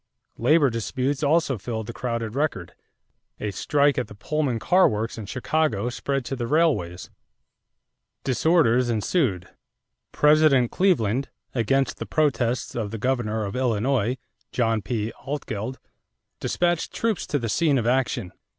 Labor disputes also filled the crowded record. A strike at the Pullman car works in Chicago spread to the railways. Disorders ensued. President Cleveland, against the protests of the governor of Illinois, John P. Altgeld, dispatched troops to the scene of action.